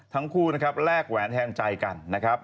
ทั้งคู่นะครับแลกแหวนแทนใจกันนะครับ